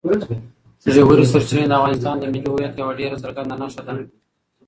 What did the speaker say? ژورې سرچینې د افغانستان د ملي هویت یوه ډېره څرګنده نښه ده.